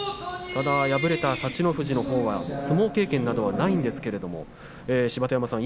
敗れた幸乃富士のほうは相撲経験などはないんですが芝田山さん